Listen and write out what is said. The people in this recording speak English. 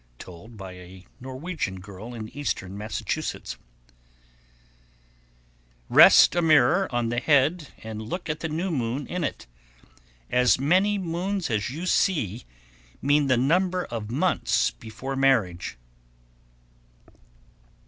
Told by a Norwegian girl in Eastern Massachusetts. 1086. Rest a mirror on the head and look at the new moon in it; as many moons as you see mean the number of months before marriage.